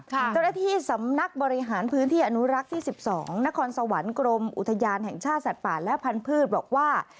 เจ้าหน้าที่สำนักบริหารพื้นที่อนุรักษ์ที่๑๒นครสวรรค์กรมอุทยานแห่งชาติสัตว์ป่าและพันธุ์บอกว่า